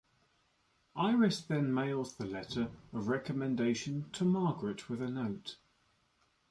Iris then mails the letter of recommendation to Margaret with a note.